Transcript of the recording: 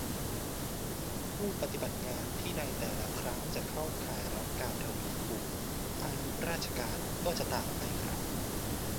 ผู้ปฏิบัติงานที่ในแต่ละครั้งจะเข้าข่ายรับการทวีคูณอายุราชการ ก็จะต่างไปครับ